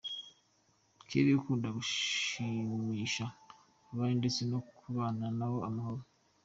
Kelly akunda gushimisha abandi ndetse no kubana nabo amahoro.